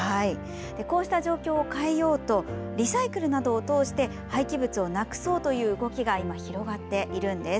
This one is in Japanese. こうした状況を変えようとリサイクルなどを通して廃棄物をなくそうという動きが今、広がっているんです。